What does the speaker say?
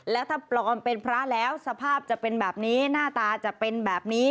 แล้วถ้าปลอมเป็นพระแล้วสภาพจะเป็นแบบนี้หน้าตาจะเป็นแบบนี้